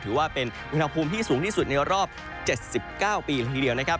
ถือว่าเป็นอุณหภูมิที่สูงที่สุดในรอบ๗๙ปีละทีเดียวนะครับ